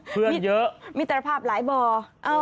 เพื่อนมีเยอะมิตรภาพหลายบ่อ